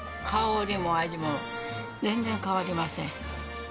香りも味も全然変わりません。